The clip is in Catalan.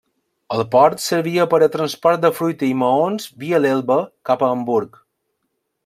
El port servia per al transport de fruita i maons via l'Elba cap a Hamburg.